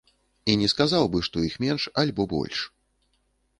І не сказаў бы, што іх менш, альбо больш.